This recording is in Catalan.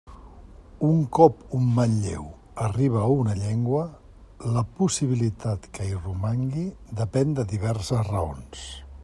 Un cop un manlleu arriba a una llengua, la possibilitat que hi romangui depèn de diverses raons.